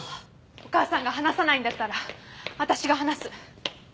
お母さんが話さないんだったら私が話す。